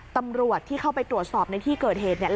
ตำรวจที่เข้าไปตรวจสอบในที่เกิดเหตุเนี่ย